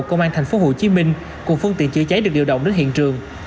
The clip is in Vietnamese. công an tp hcm cùng phương tiện chữa cháy được điều động đến hiện trường